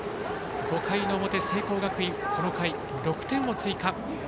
５回の表、聖光学院この回、６点を追加。